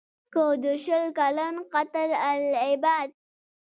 که د شل کلن «قتل العباد»